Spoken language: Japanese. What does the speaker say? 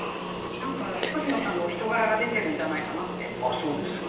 何か星野さんのお人柄が出てるんじゃないかなって思います。